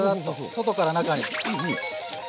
外から中に。